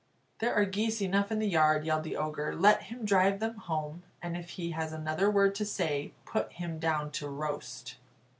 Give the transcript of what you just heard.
"There are geese enough in the yard," yelled the Ogre, "Let him drive them home; and if he has another word to say, put him down to roast."